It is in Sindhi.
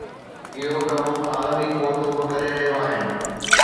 اهو ڪم عالمي قوتون به ڪري رهيون آهن.